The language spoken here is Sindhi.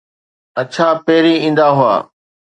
اڇا پهرين ايندا هئا.